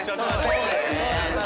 そうですね。